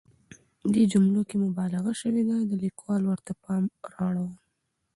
دې جملو کې مبالغه شوې ده، د ليکوال ورته پام رااړوم.